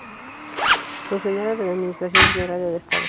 Funcionaria de la Administración General del Estado.